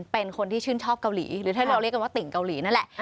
เป็นคนที่ชื่นชอบเกาหลีหรือถ้าเราเรียกกันว่าติ่งเกาหลีนั่นแหละ